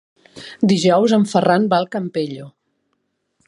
Dijous en Ferran va al Campello.